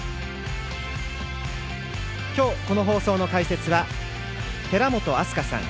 今日、この放送の解説は寺本明日香さん。